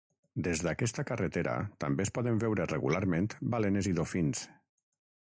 Des d’aquesta carretera també es poden veure regularment balenes i dofins.